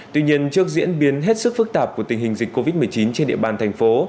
tuy nhiên trước diễn biến hết sức phức tạp của tình hình dịch covid một mươi chín trên địa bàn thành phố